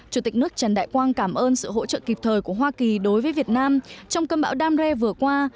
chủ tịch nước trần đại quang cảm ơn sự hỗ trợ kịp thời của hoa kỳ đối với việt nam trong cơn bão damer vừa qua